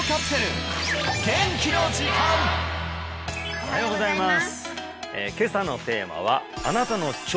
おはようございます